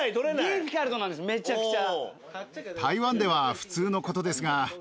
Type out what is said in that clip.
ディフィカルトなんですめちゃくちゃ。